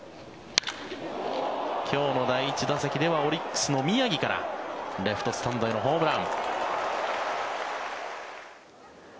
今日の第１打席ではオリックスの宮城からレフトスタンドへのホームラン。